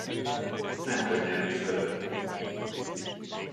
Nem könnyelműsködött.